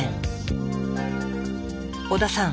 織田さん